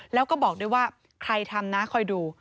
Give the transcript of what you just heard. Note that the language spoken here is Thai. แล้วก็บอกด้วยว่าใครทำนะคอยดู